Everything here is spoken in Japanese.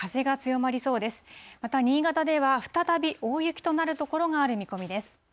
また、新潟では再び大雪となる所がある見込みです。